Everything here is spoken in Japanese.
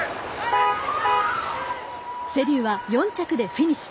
瀬立は４着でフィニッシュ。